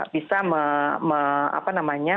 bisa menurut saya